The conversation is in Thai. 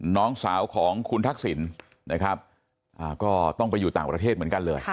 น้องสาวของคุณทักษิณนะครับก็ต้องไปอยู่ต่างประเทศเหมือนกันเลย